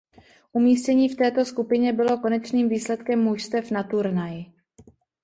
Umístění v této skupině bylo konečným výsledkem mužstev na turnaji.